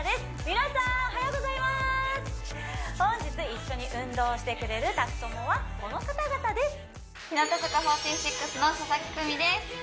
皆さんおはようございます本日一緒に運動してくれる宅トモはこの方々です日向坂４６の佐々木久美です